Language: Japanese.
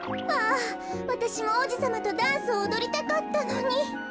あぁわたしもおうじさまとダンスをおどりたかったのに。